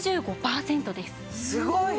すごい！